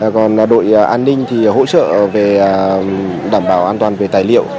còn đội an ninh thì hỗ trợ về đảm bảo an toàn về tài liệu